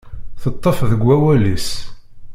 Teṭṭef deg wawal-is.